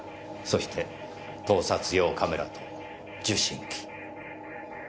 そして盗撮用カメラと受信機。